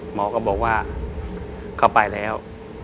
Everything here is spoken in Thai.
หมอก็บอกว่าเข้าไปแล้ว